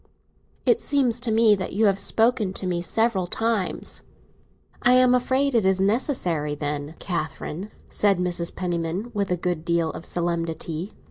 "It seems to me that you have spoken to me several times." "I am afraid it is necessary, then, Catherine," said Mrs. Penniman, with a good deal of solemnity.